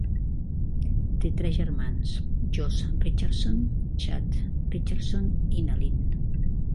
Té tres germans: Josh Richardson, Chad Richardson i Nalin.